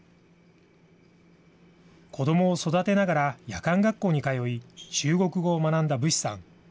子どもを育てながら夜間学校に通い、中国語を学んだ武氏さん。